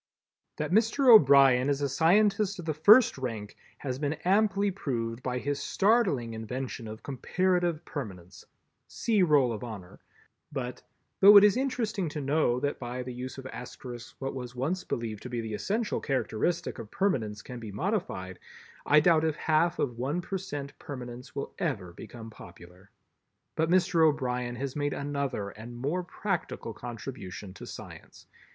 That Mr. O'Brien is a scientist of the first rank has been amply proved by his startling invention of comparative Permanence—see Roll of Honor—but, though it is interesting to know that by the use of Asterisks what was once believed to be the essential characteristic of Permanence can be modified, I doubt if half of one per cent Permanence will ever become popular. But Mr. O'Brien has made another and more practical contribution to science.